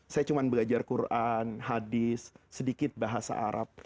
saya cuma belajar quran hadis sedikit bahasa arab